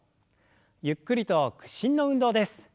ゆっくりと屈伸の運動です。